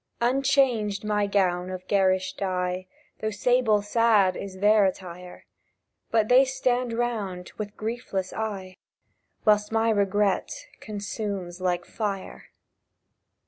Unchanged my gown of garish dye, Though sable sad is their attire; But they stand round with griefless eye, Whilst my regret consumes like fire!